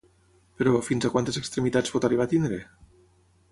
Però, fins a quantes extremitats pot arribar a tenir?